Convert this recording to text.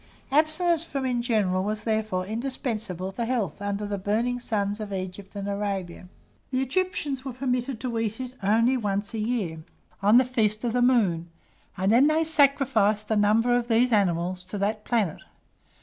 Abstinence from it in general was, therefore, indispensable to health under the burning suns of Egypt and Arabia. The Egyptians were permitted to eat it only once a year, on the feast of the moon; and then they sacrificed a number of these animals to that planet.